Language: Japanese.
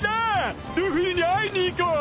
ルフィに会いに行こう！